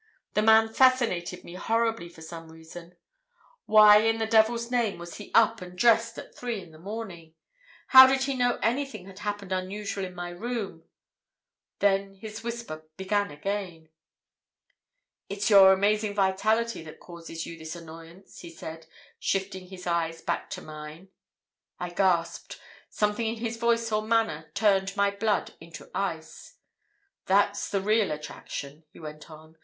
The man fascinated me horribly for some reason. Why, in the devil's name, was he up and dressed at three in the morning? How did he know anything had happened unusual in my room? Then his whisper began again. "'It's your amazing vitality that causes you this annoyance,' he said, shifting his eyes back to mine. "I gasped. Something in his voice or manner turned my blood into ice. "'That's the real attraction,' he went on.